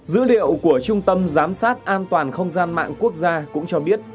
dữ liệu của trung tâm giám sát an toàn không gian mạng quốc gia cũng cho biết